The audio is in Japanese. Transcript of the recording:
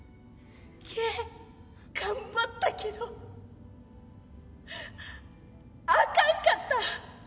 頑張ったけどあかんかった。